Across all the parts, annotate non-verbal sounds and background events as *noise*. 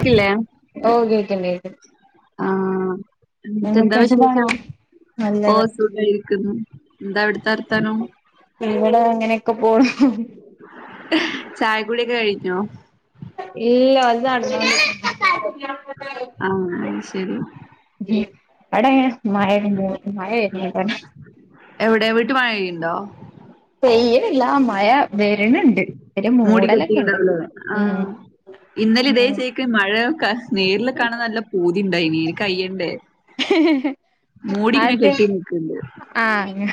ക്കില്ലേ ഓ കേക്ക്ണ്ട് കേക്ക് ആഹ് എന്നിട്ടെന്താ എന്തൊക്കെയാ സുഖാണോ വിശേഷം ഓ നല്ലത് സുഖായിരിക്കുന്നു എന്താ അവിടുത്തെവർത്താനം ഞങ്ങള് അങ്ങനെയൊക്കെ പോണു ചായകുടിയൊക്കെ കഴിഞ്ഞോ ഇല്ല *unintelligible* ആഹ് ശരി *unintelligible* എവിടെ വീട്ടി മഴ പെയ്യുന്നുണ്ടോ? പെയ്യിണില്ലാ മഴ വരണുണ്ട്. മൂടിക്കെട്ടിണ്ടാവല്ലോ ആഹ് ഇന്നലെ ഇതേ ചേക്ക് മഴ ക്ക നേരിൽ കാണാൻ നല്ല പൂതി ഉണ്ടായിനി അയിന് കയ്യണ്ടേ? മൂടിങ്ങനെ ആദ്യത്തെ കെട്ടി നിക്കണ്ട്. ആഹ്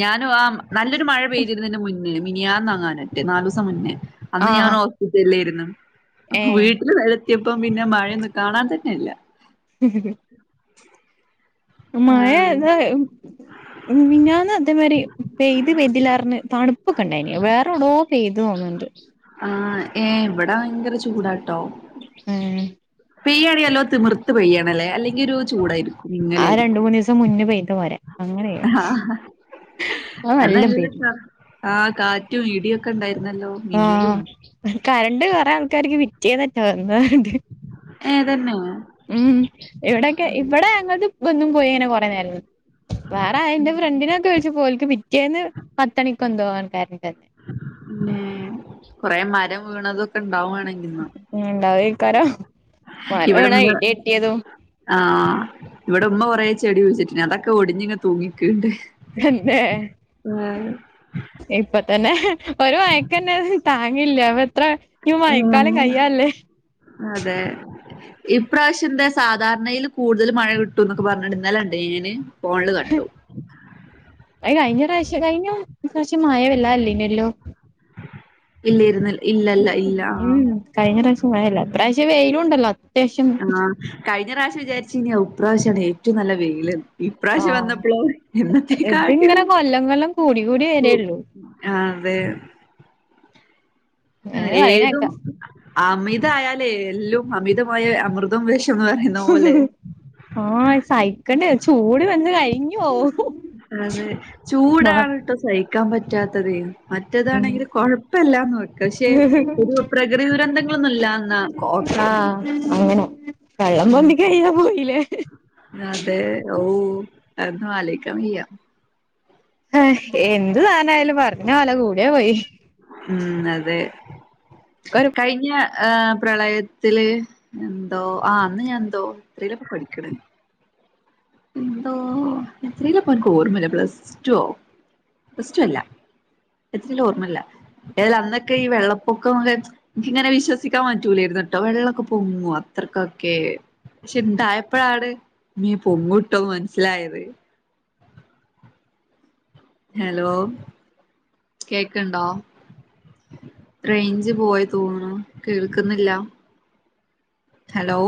ഞാനും ആഹ് നല്ലൊരു മഴ പെയ്തിരുന്നു ഇതിന്റെ മുന്നില് മിനിയാന്നങ്ങാനറ്റേ നാലു ദിവസം മുന്നേ. അന്ന് ഞാൻ ആഹ് ഹോസ്പിറ്റലിലായിരുന്നു അപ്പോ ഏഹ് വീട്ടില് *unintelligible* ത്തിയപ്പം പിന്നെ മഴയൊന്നും കാണാൻ തന്നെയില്ല. ഉം മഴ ആഹ് അതാ ഉം മിഞ്ഞാന്ന് അതേമാതിരി പെയ്ത് പെയ്തിലാ പറഞ്ഞ് തണുപ്പൊക്കെ ഉണ്ടായിനി വേറേടോ പെയ്തു തോന്നുന്നുണ്ട്. ആഹ് ഏഹ് ഇവിടെ ഭയങ്കര ചൂടാട്ടോ. ഏഹ് പെയ്യാണേ നല്ലോണം തിമിർത്ത് പെയ്യണല്ലേ അല്ലെങ്കിൽ ഒരു ചൂടായിരിക്കും വിങ്ങൽ ആ ആയിരിക്കും. രണ്ട് മൂന്ന് മുന്നേ പെയ്ത പോലെ അങ്ങനെ പെയ്യണം ആഹ് അത് നല്ല പെയ്ത്. ആഹ് കാറ്റും ഇടിയൊ ക്കെ ഇണ്ടായിരുന്ന ആഹ് കറണ്ട് കൊറെ ആൾക്കാർക്ക് പിറ്റേന്നറ്റാ വന്നതണ്ട്. ഏഹ് തന്നോ? ഉം ഇവിടെക്കെ ഇവിടെ ഞങ്ങൾത് വന്നും പോയി ഇങ്ങനെ കുറെ നേരം നിന്ന്. വേറെ എന്റെ ഫ്രണ്ടിനെ ഒക്കെ വിളിച്ചപ്പോ ഓൽക്ക് പിറ്റേന്ന് പത്ത് മണിക്ക് എന്തോ ആണ് കരണ്ട് വന്നേ. പിന്നെ കൊറെ മരം വീണതൊക്കെ ഉണ്ടാവാ ഉം ഇണ്ടാവും ആയിക്കാരോ മരം വീണതും ഇവിടെമ്മ ഇടി വെട്ടിയതും ആഹ് ഇവിടെ ഉമ്മ കൊറേ ചെടി കുയിച്ചിട്ടിന് അതൊക്കെ ഒടിഞ്ഞിങ്ങ് തൂങ്ങി നിക്ക്ണ്ട്. തന്നേ? ആഹ് ഇപ്പ തന്നെ ഒരു മയക്കന്നെ അത് താങ്ങില്ല അപ്പെത്ര ആഹ് അതെ ഇപ്രാശ്യന്തേ സാധാരണയിൽ കൂടുതൽ മഴ കിട്ടൂന്നൊക്കെ പറഞ്ഞു ഇന്നലെ ഇണ്ടായിനേന് ഫോണില് കണ്ടു. അയ് കഴിഞ്ഞ പ്രാശ്യം കഴിഞ്ഞ പ്രാശ്യം മയ വല്ലാ ഇല്ലെയ്നല്ലോ? ഇല്ലേയിരുന്ന് ഇല്ലല്ല ഇല്ലാ ആഹ് ഉം കഴിഞ്ഞ പ്രാശ്യം മഴയില്ല ഇപ്രാശ്യം വെയിലുണ്ടല്ലോ അത്യാശ്യം. ആഹ് കഴിഞ്ഞ പ്രാവശ്യം വിചാരിച്ചീന് ഓഹ് ഇപ്രാശ്യാണ് ഏറ്റോം നല്ല വെയിലിന്ന്. ഈപ്രാശ്യം ആഹ് വന്നപ്പളോ ഇതിങ്ങനെ എന്നത്തേക്കാട്ടിലും കൊല്ലം കൊല്ലം കൂടി കൂടി വരേള്ളൂ. ആഹ് അതെ. ആഹ് അങ്ങനെ ഏതും പറയണേക്കാ അമിതായാലെല്ലോം അമിതമായ അമൃ തം വെഷന്ന് പറയുന്ന പോലെ ആഹ് സഹിക്കണ്ടേ ചൂട് വന്ന് കഴി അതെ മ ചൂടാണ് ട്ടോ സഹിക്കാൻ പറ്റാത്തത്. മറ്റെതാണെങ്കില് കൊഴപ്പല്ലാന്ന് വെക്ക. ശെ ഒരു പ്രകൃതി ദുരന്തങ്ങളൊന്നുല്ലാതന്നാ കോക്ക്. ആഹ് അങ്ങനെ. വെള്ളം ഉം പൊന്തി കഴിയാൻ പോയില്ലേ അതെ ഓഹ് അതൊന്ന് ആലോയിക്കാ വെയ്യ. അഹ് എന്തു സാനായാലും പറഞ്ഞ പോലെ കൂട്യാ പോയി. ഉം അതെ ഇക്കൊരു കഴിഞ്ഞ. ഏഹ് പ്രളയത്തില് എന്തോ ആഹ് അന്ന് ഞാൻ എന്തോ എത്രിലാപ്പോ പഠിക്ക്ണ്? എന്തോ എത്രീലാപ്പ ഇൻക്ക് ഓർമ്മല്ല. പ്ലസ് റ്റൊ പ്ലസ് റ്റു അല്ല. എത്രില ഓർമ്മല്ല. ഏതാലും അന്നൊക്കെ ഈ വെള്ളപ്പൊക്കം അഹ് ഇൻക്ക് ഇങ്ങനെ വിശ്വസിക്കാൻ പറ്റൂലേര്ന്നുട്ടോ വെള്ളാക്കെ പൊങ്ങോ അത്രക്കൊക്കെ ക്ഷെ ഇണ്ടായപ്പളാണ് മേ പൊങ്ങുട്ടോന്ന് മനസ്സിലായത്. ഹലോ കേക്ക്ണ്ടോ? റെയ്ഞ്ച് പോയി തോന്നുണു കേൾക്കുന്നില്ല. ഹലോ